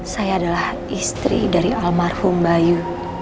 saya adalah istri dari almarhum bayu